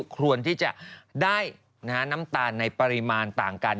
ควรที่จะได้น้ำตาลในปริมาณต่างกัน